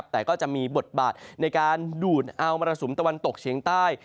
แต่ก็จะมีบทบาทในการดูดเอามรสุมตะวันตกเฉียงใต้